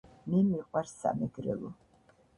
მე მიყვარს სამეგრელო